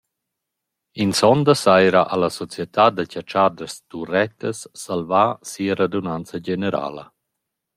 In sonda saira ha la Società da chatschaders Turettas salvà sia radunanza generala.